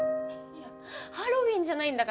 いやハロウィーンじゃないんだからさ